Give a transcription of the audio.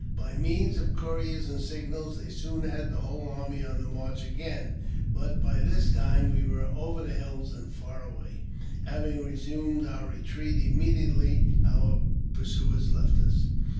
By means of couriers and signals they soon had the whole army on the march again ; but by this time we were " over the hills and far away," having resumed our retreat immediately our pursuers, left us.